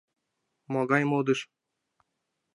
Могай модыш?